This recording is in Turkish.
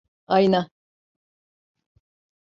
Ayna…